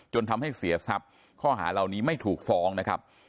ทำให้เสียทรัพย์ข้อหาเหล่านี้ไม่ถูกฟ้องนะครับ